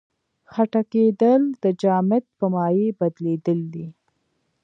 خټکېدل د جامد په مایع بدلیدل دي.